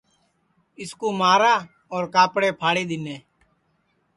اِس کُو مارا اور کاپڑے پھاڑی دِیئے